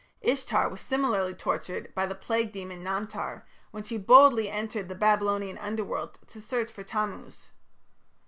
Ishtar was similarly tortured by the plague demon, Namtar, when she boldly entered the Babylonian Underworld to search for Tammuz.